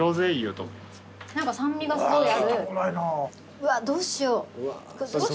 うわどうしよう。